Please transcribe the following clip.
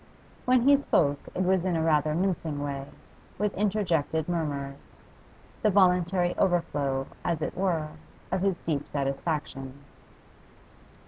When he spoke, it was in a rather mincing way, with interjected murmurs the involuntary overflow, as it were, of his deep satisfaction.